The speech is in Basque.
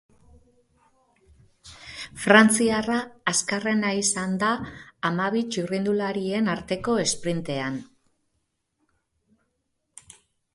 Frantziarra azkarrena izan da hamabi txirrindulariren arteko esprintean.